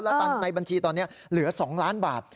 แล้วในบัญชีตอนนี้เหลือ๒ล้านบาท